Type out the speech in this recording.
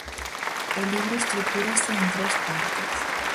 O libro estrutúrase en tres partes.